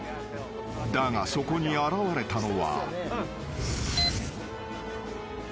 ［だがそこに現れたのは］